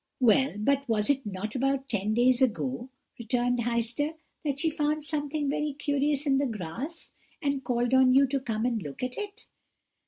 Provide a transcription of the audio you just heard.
"'Well, but was it not about ten days ago,' returned Heister, 'that she found something very curious in the grass, and called on you to come and look at it?'